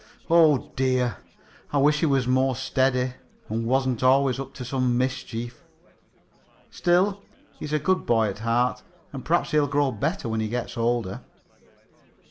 Oh, dear! I wish he was more steady, and wasn't always up to some mischief. Still, he's a good boy at heart, and perhaps he'll grow better when he gets older."